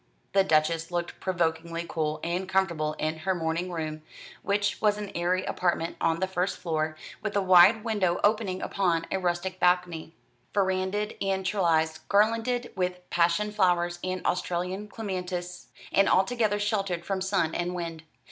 The Duchess looked provokingly cool and comfortable in her morning room, which was an airy apartment on the first floor, with a wide window opening upon a rustic balcony, verandahed and trellised, garlanded with passion flowers and Australian clematis, and altogether sheltered from sun and wind.